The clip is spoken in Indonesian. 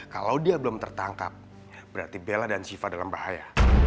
kalo dia belum tertangkap berarti bela dan shiva dalam bahaya